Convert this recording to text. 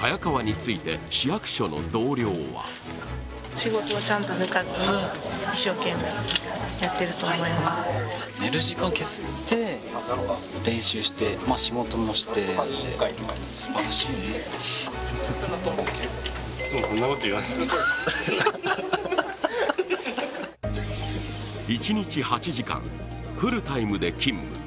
早川について、市役所の同僚は一日８時間、フルタイムで勤務。